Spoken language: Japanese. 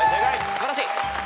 素晴らしい。